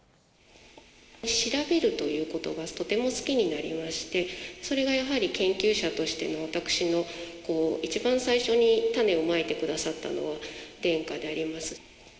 調べるということが、とても好きになりまして、それがやはり研究者としての私の、一番最初に種をまいてくださったのは殿下であります。